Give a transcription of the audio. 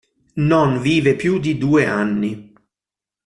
Non vive più di due anni.